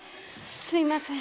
すみません。